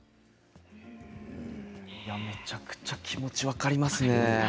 めちゃくちゃ気持ち分かりますね。